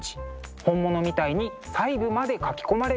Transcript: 本物みたいに細部まで描き込まれています。